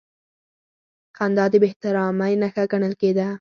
خندا د بېاحترامۍ نښه ګڼل کېده.